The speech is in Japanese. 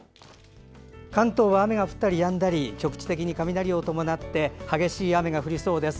関東は雨が降ったりやんだり局地的に雷を伴って激しい雨が降りそうです。